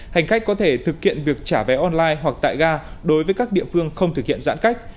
hành khách có thể thực hiện việc trả vé online hoặc tại ga đối với các địa phương không thực hiện giãn cách